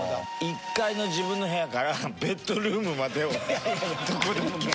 １階の自分の部屋からベッドルームまでをどこでもドアで。